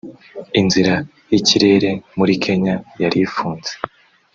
inzira y’ikirere muri Kenya yari ifunze